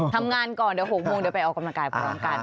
ทำงานก่อน๖โมงเดี๋ยวไปออกกำลังกายกัน